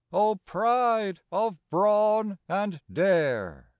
0 pride of brawn and dare!